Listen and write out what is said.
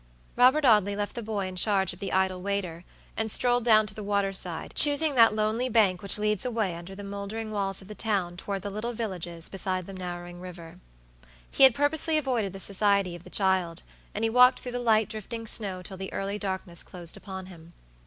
Robert Audley left the boy in charge of the idle waiter, and strolled down to the water side, choosing that lonely bank which leads away under the moldering walls of the town toward the little villages beside the narrowing river. He had purposely avoided the society of the child, and he walked through the light drifting snow till the early darkness closed upon him.